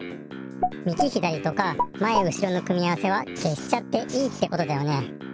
みぎひだりとかまえうしろの組み合わせはけしちゃっていいってことだよね。